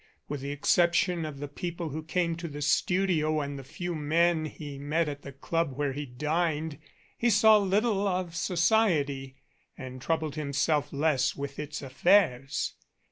With the exception of the people who came to the studio and the few men he met at the club where he dined, he saw little of so ciety, and troubled himself less with its affairs.